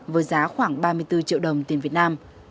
với giá khoảng ba mươi bốn triệu đồng tiền việt nam